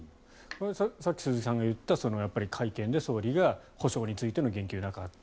さっき鈴木さんが言った会見で総理が補償についての言及がなかった。